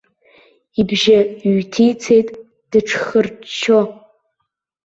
Ибжьы ҩҭицеит дыҽхырччо.